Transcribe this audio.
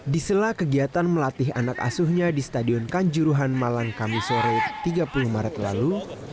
di sela kegiatan melatih anak asuhnya di stadion kanjuruhan malang kami sore tiga puluh maret lalu